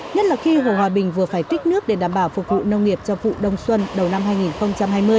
nhất là khi hồ hòa bình vừa phải tích nước để đảm bảo phục vụ nông nghiệp cho vụ đông xuân đầu năm hai nghìn hai mươi